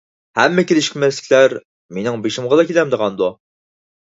ھەممە كېلىشمەسلىكلەر مېنىڭ بېشىمغىلا كېلەمدىغاندۇ؟